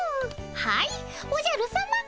はいおじゃるさま。